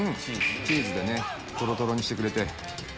チーズでねとろとろにしてくれて。